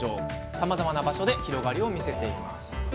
さまざまな場所で広がりを見せています。